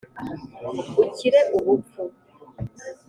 ukire ubupfu